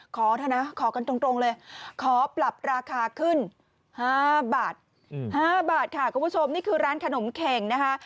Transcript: ขอเถอะนะขอกันตรงเลยขอปรับราคาขึ้น๕บาท๕บาทค่ะคุณผู้ชมนี่คือร้านขนมเข็งนะคะ